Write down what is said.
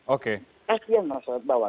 oke kasihan mas